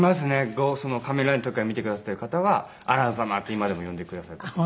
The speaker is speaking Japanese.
『ゴースト』の『仮面ライダー』の時から見てくださっている方はアラン様って今でも呼んでくださっています。